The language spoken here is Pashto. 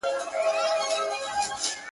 دا د جرګو دا د وروریو وطن-